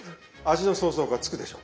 味の想像がつくでしょ？